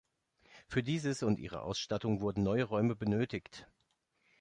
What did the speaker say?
Für dieses und ihre Ausstattung wurden neue Räume benötigt.